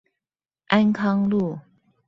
安康路